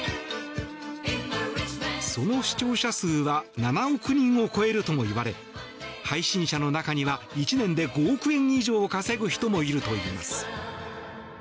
その視聴者数は７億人を超えるともいわれ配信者の中には１年で５億円以上稼ぐ人もいるといいます。